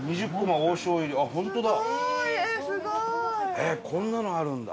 えっこんなのあるんだ。